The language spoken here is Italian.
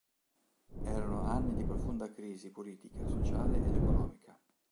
Erano anni di profonda crisi politica, sociale ed economica.